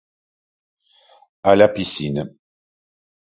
À la piscine...